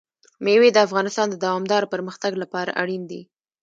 مېوې د افغانستان د دوامداره پرمختګ لپاره اړین دي.